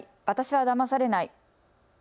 私はだまされない。